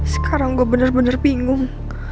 sekarang gue bener bener bingung